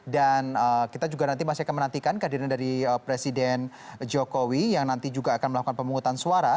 dan kita juga nanti masih akan menantikan kehadiran dari presiden jokowi yang nanti juga akan melakukan pemungutan suara